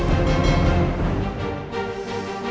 aku percaya sama naya ma